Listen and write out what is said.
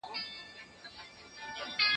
که دي دا ورور دئ، په مخ کي دي گور دئ.